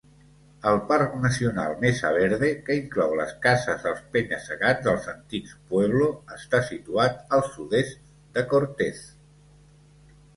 El Parc Nacional Mesa Verde, que inclou les cases als penya-segats dels antics Pueblo, està situat al sud-est de Cortez.